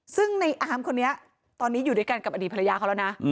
ซึ่งในอาร์มคนนี้ตอนนี้อยู่ด้วยกันกับอดีตภรรยาเขาแล้วนะ